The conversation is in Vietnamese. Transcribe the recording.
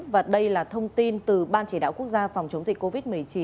và đây là thông tin từ ban chỉ đạo quốc gia phòng chống dịch covid một mươi chín